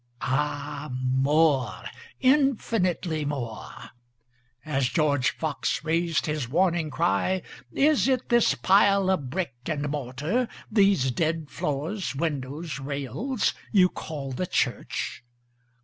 Ah more, infinitely more; (As George Fox rais'd his warning cry, "Is it this pile of brick and mortar, these dead floors, windows, rails, you call the church?